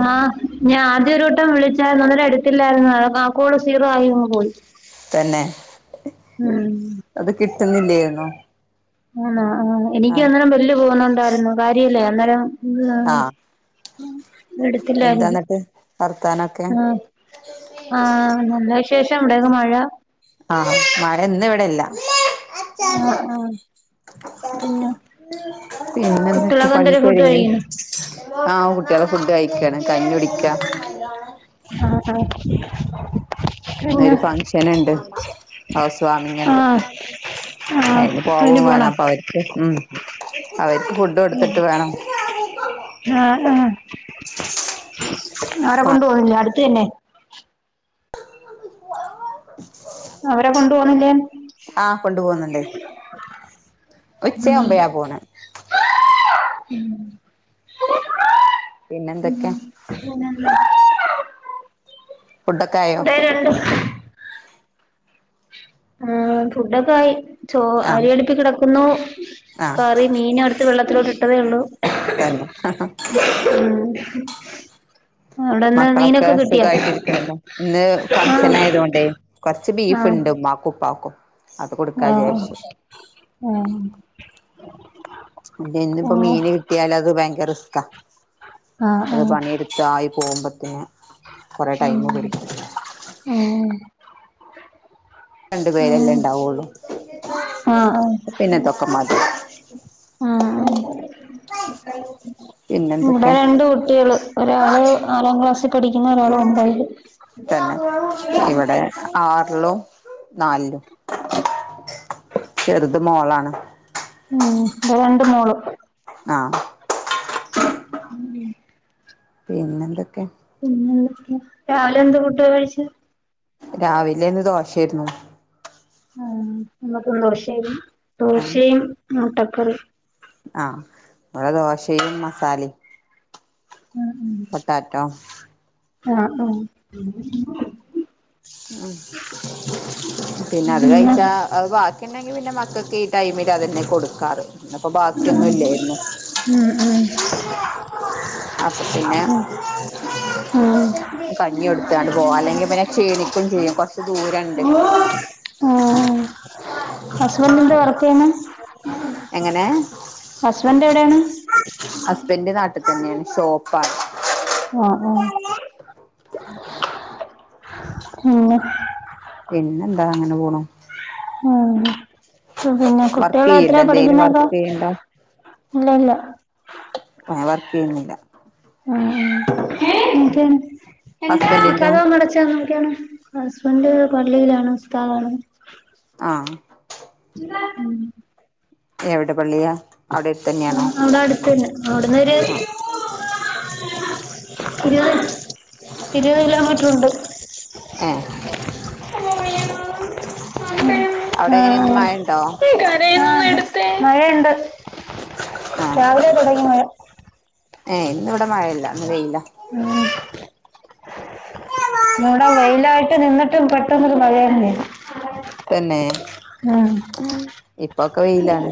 ആഹ് ഞാൻ ആദ്യ ഒരുട്ടം വിളിച്ചാര്ന്നു അന്നേരം എടുത്തില്ലായിരുന്നു ആഹ് കോള് സീറോ ആയിങ്ങ് പോയി. തന്നെ ഉം അത് കിട്ടുന്നില്ലേരുന്നോ. ! ! ! ! ! ! ! ആഹ് ! ! ! എടുത്തില്ലായിരി എന്താന്നിട്ട് വർത്താനൊക്കെ ആഹ് ആഹ് നല്ല വിശേഷം ഇവിടെ ഒക്കെ മഴ ആഹ മഴ ഇന്ന് ഇവിടില്ല ആഹ് ആഹ് പിന്നെ പിന്നെന്തൊക്കെയാ കുട്ടികളൊക്കെ എന്തര് ഫുഡ് പണിയൊക്കൊരുങ്ങിയാ? കഴിക്കുന്നു ആഹ് കുട്ടിയള് ഫുഡ് കഴിക്കാണ് കഞ്ഞി കുടിക്കാ ആഹ് ആഹ് പിന്നെ ഇന്നൊരു ഫങ്ഷന് ഇണ്ട് ഹൗസ് വാമിങ്ങ്ണ്ട് ആഹ് ആഹ് അതിന് പോവും പോണോ വാണം അപ്പൊ അവർക്ക് ഉം അവർക്ക് ഫുഡ് കൊടുത്തിട്ട് വേണം. ആഹ് ആഹ് അവരെ കൊണ്ട് പോണില്ല അടുത്ത് തന്നെ. അവരെ കൊണ്ട് പോന്നില്ലേ ആഹ് കൊണ്ട് പോവുന്നിണ്ട്. ഉച്ചാവുമ്പയാ പോണ് ഉം പിന്നെന്തെക്കെ? പിന്ന [unintelligible] ഫുഡ്ഡക്കായോ? ആഹ് ഫുഡ്ഡക്കായി. ചോ അരി ആഹ് അടുപ്പി കിടക്കുന്നു, ആഹ് കറി മീനെടുത്ത് വെള്ളത്തിലോട്ടിട്ടതേ ഉള്ളൂ തന്നെ ഉം ഉം [inaudible] അവിടെന്ന് മക്കളൊക്കെ മീനൊക്കെ കിട്ടിയാ സുഗായിട്ടിരിക്ക്ണ്ല്ലേ. ഇന്ന് ആഹ് ഫങ്ഷനായതോണ്ടേ കൊർച്ച് ബീഫ്ണ്ട് ഉമ്മാക്കുഉപ്പാക്കും ആഹ് ആഹ് ഇന്നിപ്പോ ആഹ് മീന് കിട്ടിയാല് അത് ഭയങ്കര റിസ്ക്കാ, ആഹ് അത് ആഹ് പണിയെടു ത്തായി പോവുമ്പത്തേന് ഉം ഉം രണ്ടു പേരെല്ലേ ഉം ഇണ്ടാവൊള്ളു ആഹ് ആഹ് പിന്നെതൊക്കെ മതി ആഹ്അഹ് ഇവിടെ പിന്നെന്തൊക്കെ രണ്ട് കുട്ടികള്, ഒരാള് നാലാം ക്ലാസ്സി പഠിക്കുന്നു ഒരാള് ഒമ്പതില് തന്നെ ഇവെടെ ആറിലും നാൽലും ചെറുത് മോളാണ് ഉം ബടെ രണ്ട് മോള് ആഹ് ഉം പിന്നെന്തൊക്കെ പിന്നെന്തൊക്കെ രാവിലെ എന്ത്‌ ഫുഡാ കഴിച്ചേ രാവിലെന്ന് ദോശേര്ന്നു ഉം ന്ന്പ്പോ ദോശയും ഏഹ് ദോശയും മുട്ടക്കറി ആഹ് ബടെ ദോശയും മസാലിം ഉം ഉം [unintelligible] ആഹ് ആഹ് ഉം പിന്നത് പിന്നെ കഴിച്ചാ അത് ബാക്കിണ്ടെങ്കിൽ പിന്നെ മക്കക്ക് ഈ ടൈമിൽ അതന്നെ കൊടുക്കാറ് ഇന്ന്പ്പം ബാക്കിയൊന്നും ഇല്ലേര്ന്നു ഉം ഉം അപ്പൊ പിന്നെ ആഹ് കഞ്യെട്ത്താണ്ട് പോവാ. അല്ലെങ്കി പിന്നെ ക്ഷീണി ക്കും ചെയ്യും. കൊർച്ച് ദൂരണ്ട് ആഹ് ഹസ്ബൻഡ് എന്താ വർക്ക് ചെയ്യുന്നെ എങ്ങനെ ഹസ്ബൻഡ് എവിടെയാണ് ഹസ്ബന്റ് നാട്ടി തന്നേണ്. ഷോപ്പാണ് ആഹ് ആഹ് പിന്നെ പിന്നെന്താ അങ്ങനെ പോണു ഉം പിന്നെ വർക്ക് കുട്ടികള് ചെയ്യണ്ടോ എത്രയാ എന്തേലും പഠിക്കുന്നത്? വർക്ക് ചെയ്യണ്ടോ ഇല്ലില്ല ഞാൻ വർക്കെയ്യുന്നില്ല ആഹ് എഹ് എന്താ? ഹസ്ബൻഡിന്റോ കതകു അടച്ചാ നോക്കാണ് ഹസ്ബന്റ് പള്ളിയിലാണ് ഉസ്താദാണ്‌? ആഹ് ഉം എവിടെ പള്ളിയാ അവിടെട് ഔടട്ത്തന്നെ, ഔട്ന്നൊര് [inaudible] ഒരു ഒരു കിലോമീറ്റർ ഉണ്ട് ഏഹ് അവിടെ ആ [inaudible] എങ്ങനെ ഇന്ന് മഴയുണ്ടോ ആഹ് മഴയുണ്ട് ആഹ് രാവിലെ തൊടങ്ങി മഴ ഏഹ് ഇന്ന് ഇവിടെ മഴയില്ല ഇന്ന് വെയ്യില്ല ഉം ഇന്ന് ഇവിടെ വെയിലായിട്ട് നിന്നിട്ടു പെട്ടന്നൊരു മഴയും പെയ്തു. തന്നെ ഇപ്പൊക്കെ വെയിലാണ്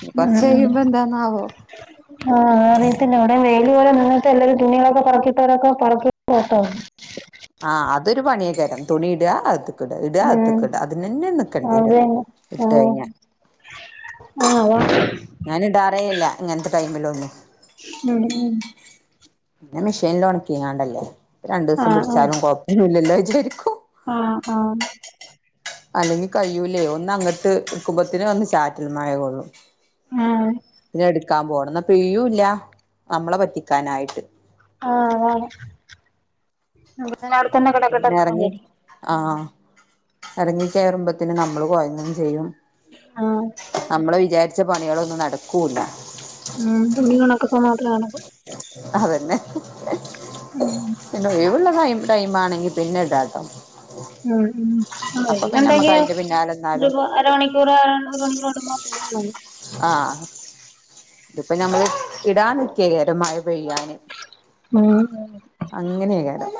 ഇനി കൊറച്ച കഴിയുമ്പോ എന്താന്നവോ [unintelligible] ആ അറിയത്തില്ല അവിടെ വെയില് പോലെ നിന്നട്ട് എല്ലാവരും തുണികളൊക്കെ പറക്കിയിട്ടവരൊക്കെ പറക്കി വെക്കുന്നു. ആ അതൊരു പണിയൊക്കരം തുണിയിട അതെ ടുക ഇടുക ഉം അകത്ത്ക്ട അതിനന്നെ നിക്കേണ്ടി വരും അതന്നെ ആഹ് ഇട്ട് കഴിഞ്ഞാൽ ആഹ് അതാ ഞാനിടാറെ ഇല്ല ഇങ്ങനത്തെ ടൈമിലോന്നും നട [unintelligible] പിന്നെ മെഷീനിൽ ഉണക്കിങ്ങാണ്ടല്ലേ അപ്പോ രണ്ടു ദിവസം ആഹ് പിടിച്ചാലും കൊഴപ്പില്ലോന്ന് വിചാരിക്കും ആഹ് ആഹ് അല്ലെങ്കിൽ കയുലെ ഒന്ന് അങ്ങട്ട് നിക്കുമ്പഴത്തേന് ഒന്ന് ചാറ്റൽ മഴ കൊള്ളും ആഹ് ആഹ് ആഹ് പിന്നെ എടുക്കാൻ പോണം എന്നാ പെയൂല്ല നമ്മളെ പറ്റിക്കാനായിട്ട് ആഹ് ആ എന്നാ അവിടെത്തന്നെ കിടക്കെട്ടന്ന് വിചാരിക്കും ആ ഇറങ്ങി കേറുമ്പോത്തേന് നമ്മള് കൊയങ്ങും ചെയ്യും ആഹ് നമ്മള് വിചാരിച്ച പണികളൊന്നും നടക്കൂല്ല ഉം തുണി ഒണാക്ക മാത്രം നടക്കൂ അതന്നെ [unintelligible] മ്മ് പിന്നെ ഒഴിവുള്ള ടൈം ടൈം ആണെങ്കിൽ പിന്നെ ഇടാട്ടോ ഉം ഉം അപ്പൊ വെയില് പിന്നെ നമ്മക്ക് ഉണ്ടെങ്കി അയിന്റെ പിന്നാലെ നിന്നാലും ഇതിപ്പോ അരമണിക്കൂറ് കൂടുമ്പോ തുണിയൊണങ്ങും ആഹ് ഇതിപ്പോ ഞമ്മള് ഇടാൻനിക്കിയേ കേര മഴ പെയ്യാന് ഉം അങ്ങനെയക്കാരം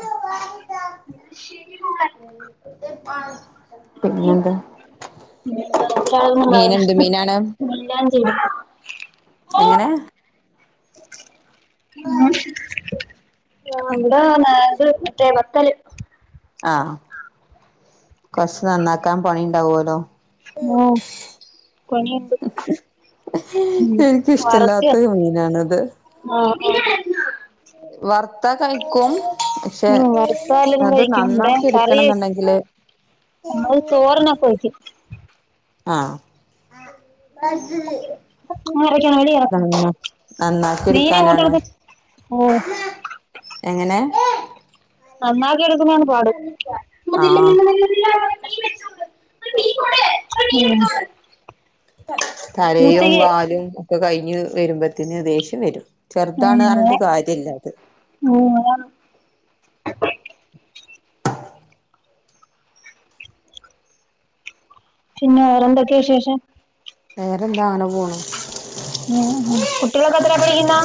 [unintelligible] പിന്നെന്താ പിന്നെന്താ ഒരാളൊന്നും മീനെന്ത് വയലിഷ്ടം മീനാണ് പിന്നെ എല്ലാം ചെയ്യും എങ്ങനെ [unintelligible] പത്തൽ ആഹ് കൊറച്ച് നന്നാക്കാൻ പണി ഉണ്ടാവല്ലോ ഓഹ് പണിഇണ്ട് ഉം വറക്ക എനിക്കിഷ്ടല്ലാത്ത മീനാണത് ആഹ് ആഹ് വറത്ത കയ്ക്കും ഉം വറുത്ത എല്ലാരും കഴിക്കും ഇവിടെ നന്നാക്കി കറി എടുക്കണം എന്നുണ്ടെങ്കില് നമ്മള് തൊറന് ഒക്കെ ഒഴിക്കും ആഹ് [unintelligible] നന്നാക്കി മീൻ അങ്ങോട്ട് എടുക്കാനാണ് എടുത്ത് ഓ എങ്ങനെ നന്നാക്കി എടുക്കുന [unintelligible] ആഹ് [unintelligible] തലയും പൂച്ചയ്ക്ക് വാലും ഒക്കെ കഴിഞ്ഞ് വരുമ്പോത്തിന് ദേഷ്യം വരും ചെറുതാണ് പറഞ്ഞിട്ട് കാര്യല്ല അത് മ് അതാ പിന്നെ വേറെന്തൊക്കെയ വിശേഷം വേറെന്താ അങ്ങനെ പോണ് കുട്ടികളക്കെത്ര പഠിക്കുന്നെ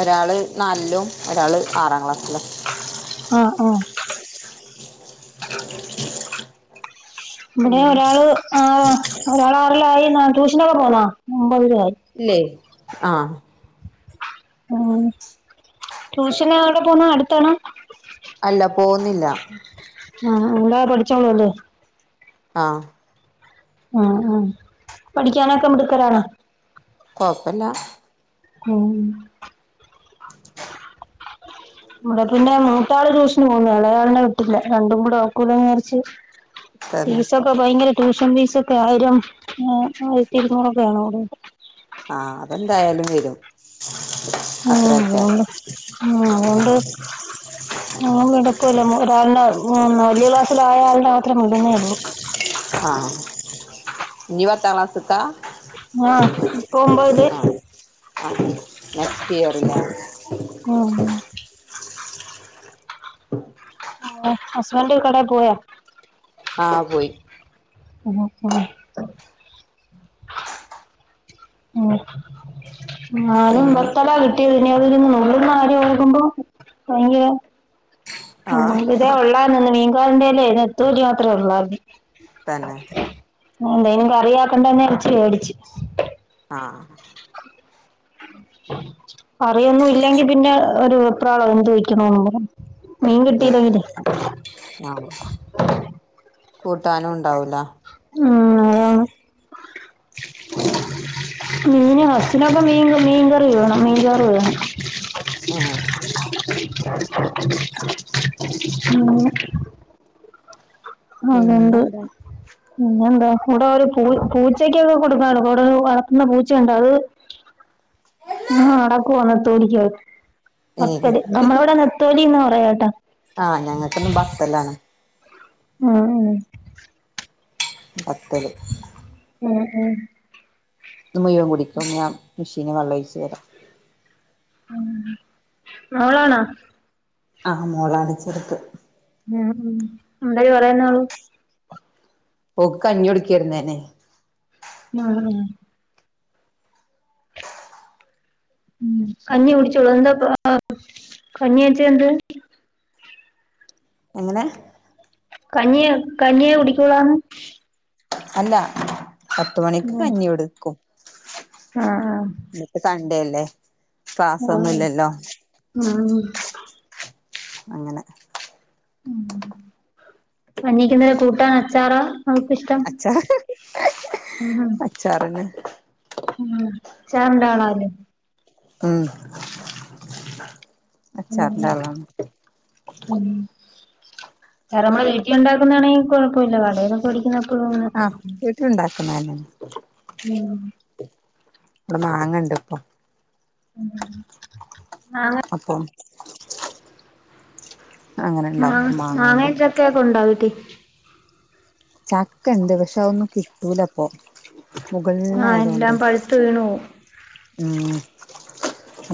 ഒരാള് നാലിലും ഒരാള് ആറാം ക്ലാസ്സിലും ആഹ് ആഹ് [inaudible] ഇവിടെ പിന്നെ ഒരാള് ആഹ് ഒരാള് ആറിലായി എന്നാ ട്യൂഷനൊക്കെ പോന്നോ ഒമ്പതിലായി ഇല്ലേ ആഹ് ഉം ട്യൂഷന് അവിടെ പോന്ന് അടുത്താണോ അല്ല പോന്നില്ല ആഹ് ആഹ് അല്ലാതെ പഠിച്ചോളൂല്ലേ ആഹ് ആഹ് ആഹ് പഠിക്കാനൊക്കെ മിടുക്കരാണോ കൊഴപ്പ ഇല്ല ഉം [inaudible] ഇവിടെ പിന്നെ മൂത്താള് ട്യൂഷന് പോന്ന് ഇളയാളിനെ വിട്ടില്ല രണ്ടും കൂടെ ഒക്കൂലാന്ന് വിചാരിച്ച് തന്നെ ഫീസൊക്കെ ഭയങ്കര ട്യൂഷൻ ഫീസ് ഒക്കെ ആയിരം ആഹ്‌ ആയിരത്തി ഇരുന്നൂറൊക്കെ ആണോ ആഹ് അതെന്തായാലും വരും. ആഹ് അത്രയൊക്കെ പോണ്ട് ആഹ് പോണ്ട്. മോൻ കെടക്കൂല രാവിലേ മോൻ വലിയ ക്ലാസ്സിലായകാരണേ. ആഹ് ഇനി പത്താക്ലാസുക്ക ആഹ് ഇപ്പം ഒമ്പതില് ആഹ് ആഹ് നെക്സ്റ്റ് ഇയറിലാ ഉം ഹസ്ബൻഡ് കടേ പോയോ? ആഹ് പോയി. [unintelligible] ഉം പിന്നെ ഞാനിന്നെത്തൊലാ കിട്ടി. [unintelligible] നുള്ളുന്ന കാര്യോർക്കുമ്പോ ഭയങ്കര ഉം ആഹ് ഇതേ ഒള്ളാരുന്ന് മീൻകാരന്റെലെ നെത്തോലി മാത്രേ ഒള്ളാരുന്നു. തന്നെ. എന്തേലും കറിയാക്കണ്ടേന്നു വച്ചു മേടിച്ച്. ആഹ് കറിയൊന്നും ഇല്ലെങ്കി പിന്നെ ഒരു വെപ്രാളാ എന്തു വയ്ക്കണോന്നും പറഞ്ഞ്. മീൻ അതെ കിട്ടില്ലെങ്കിലേ. ആഹ് കൂട്ടാനും ഉണ്ടാവൂല. ഉം അതാണ്‌. മീൻ അച്ഛനോക്കെ മീൻ മീൻകറി വേണം മീൻചാറു വേണം. ആഹ് ഉം അതൊണ്ട് പിന്നെന്താ പിന്നെന്താ ഇവിടെ ഒരു പൂ പൂച്ചക്കൊക്കെ കൊടുക്കാല്ലോ ഇവിടൊരു വളർത്തുന്ന പൂച്ചയുണ്ട് അത് ആഹ് നടക്കുവാ നെത്തോലിക്കായി ഏഹ് നെത്തല്, നമ്മളവിടെ നെ നത്തോലിന്നാ പറയാ കേട്ടോ. ആഹ് ഞങ്ങക്കെന്നും ബത്തലാണ്. ഉം. ബത്തല്. ഉം ഉം ത് മുയുവൻ കുടിക്കും ഞാൻ മെഷീനി വെള്ളമൊഴിച്ചു തരാം. ഉം മോളാണോ? ആ മോളാ അടിച്ചടുത്ത് ഉം ഉം എന്തായി പറയുന്നാളു ഓക്ക് കഞ്ഞികൊടുക്കെരുന്നു ഞാനെ [unintelligible] ആഹ് ഉം കഞ്ഞി കുടിച്ചോളും എന്താപ്പ ആഹ് കഞ്ഞിച്ച എന്ത് എങ്ങനെ കഞ്ഞിയേ കഞ്ഞിയെ കുടിക്വോള്ളന്ന് അല്ല പത്തുമണിക്ക് കഞ്ഞി കൊടുക്കും. ആഹ് ആഹ് ഇന്നിപ്പോ സൺഡേ അല്ലേ ആഹ് ക്ലാസൊന്നുവില്ലല്ലോ ആഹ് അങ്ങനെ ഉം കഞ്ഞിക്കെന്നര കൂട്ടാൻ അച്ചാറാ അച്ചാറ് ഉം ഉം അച്ചാറിന് ആഹ് അച്ചാറിന്റാളാല്ലേ. ഉം ഉം അച്ചാറിന്റെ ആളാണ് ഉം സാറ ഞമ്മള വീട്ടിലുണ്ടാക്കുന്നാണെ കൊഴപ്പവില്ല കടെന്നൊക്കെ വേടിക്ക്ന്ന ആഹ് വീട്ട്ല്ണ്ടാക്കണന്നെ ഉം ഇവടെ മാങ്ങണ്ട് ഇപ്പൊ ഉം മാങ്ങ അപ്പം അങ്ങനെ മാ ഇണ്ടാക്കും മാങ്ങോണ്ട് മാങ്ങിം ചക്കയൊക്കെ ഉണ്ട വീട്ടി ചക്കണ്ട് പഷെ അതൊന്നും കിട്ടൂലപ്പൊ ആഹ് എല്ലാം മുകൾലായതോണ്ടേ പഴുത്ത് വീണു പോവും ഉം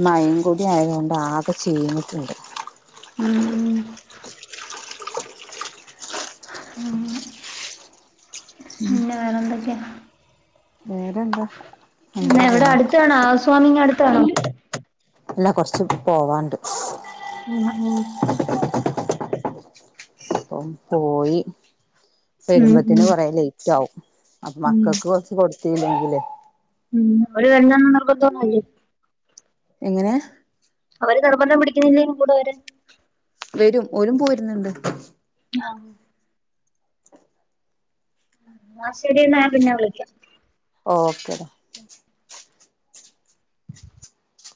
മയിം കൂടി ആയതോണ്ട് ആകെ ചീഞ്ട്ട്ണ്ട് ഉം ഉം ആഹ് പിന്നെ വേറെന്തൊക്കെയ വേറെന്ത ഇന്ന എവടെ അട്ത്താണൊ ഹൗസ് വാമിംങ് അടുത്താണൊ അല്ല കൊറ്ച്ച് പോവാണ്ട് ഉം ഉം ഇപ്പം പോയി ഉം ഉം വരുമ്പത്തിന് കൊറേ ലെയ്റ്റാവും അപ് ഉം മക്കക്ക് കൊറച്ച് കൊട്ത്തീല്ലെങ്കിലെ ഉം അവര് വരണോന്ന് നിർബന്ധന്നും ഇല്ലേ എങ്ങനെ അവര് നിർബന്തം പിടിക്ക്ന്നില്ലെന്ന് കൂടെ വരാൻ വരും ഓര് പോരുന്നുണ്ട് ആഹ് എന്ന ശരീന്ന ഞാ പിന്നെ വിളിക്കാം ഓക്കെ ടാ